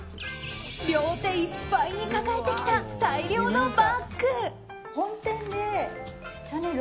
両手いっぱいに抱えてきた大量のバッグ。